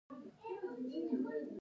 سختې ستونزې د یو ټولنیز ټیم جوړول غواړي.